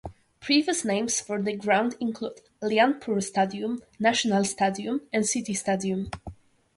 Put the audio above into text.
Previous names for the ground include Lyallpur Stadium, National Stadium, and City Stadium.